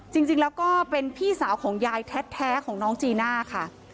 จริงแล้วก็เป็นพี่สาวของยายแท้ของน้องจีน่าค่ะ